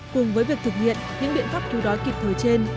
cùng với việc thực hiện những biện pháp cứu đói kịp thời trên